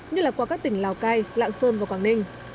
như là qua các tỉnh lào cai lạng sơn và quảng ninh